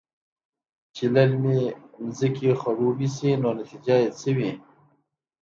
چې للمې زمکې خړوبې شي نو نتيجه يې څۀ وي؟